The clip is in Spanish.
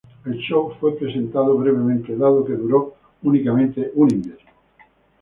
El "show" fue presentado brevemente, dado que duró únicamente un invierno.